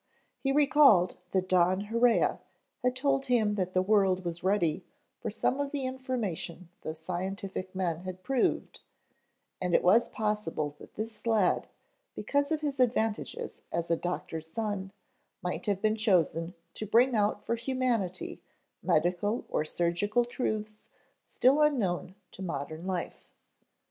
He recalled that Don Haurea had told him that the world was ready for some of the information those scientific men had proved and it was possible that this lad, because of his advantages as a doctor's son might have been chosen to bring out for humanity medical or surgical truths still unknown to modern life.